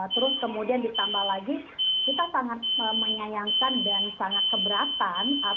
terus kemudian ditambah lagi kita sangat menyayangkan dan sangat keberatan